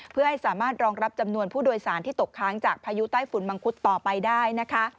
เพื่อให้สามารถรองรับจำนวนผู้โดยสารที่ตกค้างจากพายุใต้ฝุ่นมังคุดต่อไปได้นะคะ